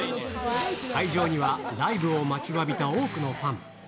会場にはライブを待ちわびた多くのファン。